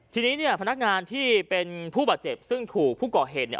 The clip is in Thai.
ทีนี้เนี่ยพนักงานที่เป็นผู้บาดเจ็บซึ่งถูกผู้ก่อเหตุเนี่ย